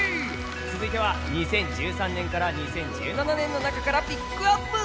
続いては２０１３年から２０１７年の中からピックアップ！